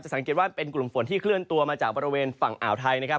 สังเกตว่าเป็นกลุ่มฝนที่เคลื่อนตัวมาจากบริเวณฝั่งอ่าวไทยนะครับ